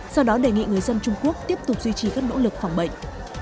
do đó đề nghị người dân trung quốc tiếp tục duy trì các nỗ lực phòng bệnh